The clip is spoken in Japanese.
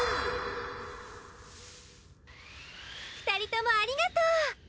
２人ともありがとう。